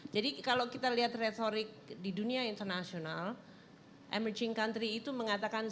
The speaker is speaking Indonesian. jadi kalau kita lihat retorik di dunia internasional emerging country itu mengatakan